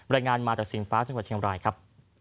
รายงานมาจากสิงฟ้าจังหวัดเชียงบรายครับ